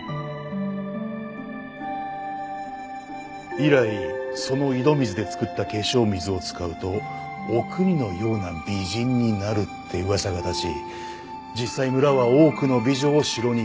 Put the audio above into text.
以来その井戸水で作った化粧水を使うとおくにのような美人になるって噂が立ち実際村は多くの美女を城に献上した。